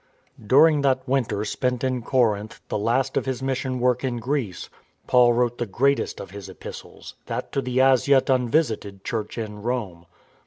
During that winter spent in Corinth, the last of his mission work in Greece, Paul wrote the greatest of his Epistles, that to the as yet unvisited Church in Rome.